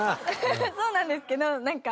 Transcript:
そうなんですけどなんか。